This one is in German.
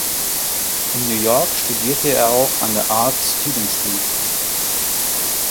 In New York studierte er auch an der Art Students League.